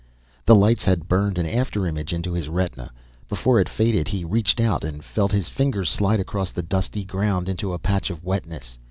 The lights had burned an after image into his retina. Before it faded he reached out and felt his fingers slide across the dusty ground into a patch of wetness.